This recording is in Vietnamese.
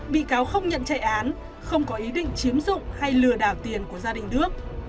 bị cáo không nhận chạy án không có ý định chiếm dụng hay lừa đảo tiền của gia đình đức